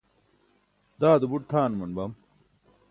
daado buṭ tʰaanuman bam